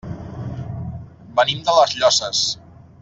Venim de les Llosses.